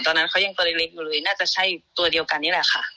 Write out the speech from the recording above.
ตอนนั้นเขายังตัวเล็กอยู่เลยน่าจะใช่ตัวเดียวกันนี่แหละค่ะ